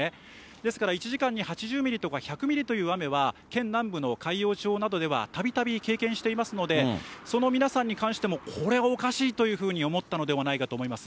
ですから、１時間に８０ミリとか１００ミリという雨は県南部の海陽町などでは、たびたび経験していますので、その皆さんに関しても、これはおかしいというふうに思ったのではないかと思います。